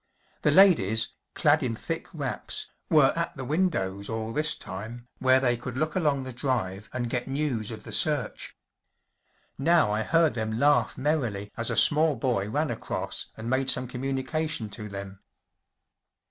The ladies, clad in thick wraps, were at the windows all this time, where they could look along the drive and get news of the search. Now I heard them laugh merrily as a small boy ran across and made some communica¬ tion to them.